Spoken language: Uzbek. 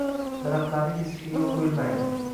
Daraxtlarni kesishga yo'l qo'yilmaydi